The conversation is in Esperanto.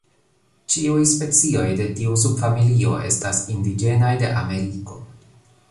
Ĉiuj specioj de tiu subfamilio estas indiĝenaj de Ameriko.